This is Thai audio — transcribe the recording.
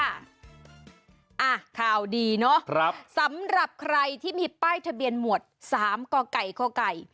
อ่าข่าวดีเนอะครับสำหรับใครที่มีป้ายทะเบียนหมวดสามก่อก่ายก่อก่าย